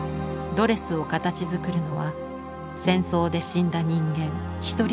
ドレスを形づくるのは戦争で死んだ人間一人一人のカタチ。